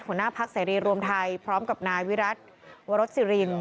ของหน้าพรรคสายรีรวมไทยพร้อมกับนายวิรัตน์วารสสิริน